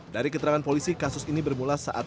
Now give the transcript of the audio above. dari keterangan polisi kasus ini bermula saat